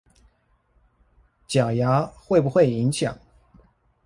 假牙會不會影響